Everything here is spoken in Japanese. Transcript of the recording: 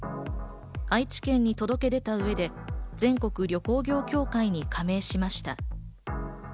愛知県に届け出た上で全国旅行業協会に加盟しました。